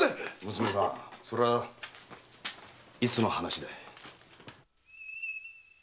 娘さんそれはいつの話だい？